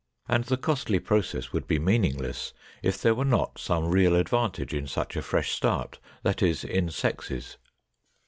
And the costly process would be meaningless if there were not some real advantage in such a fresh start, that is, in sexes.